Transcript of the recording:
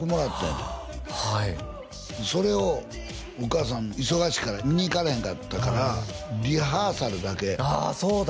てはいそれをお母さん忙しいから見に行かれへんかったからリハーサルだけあっそうだ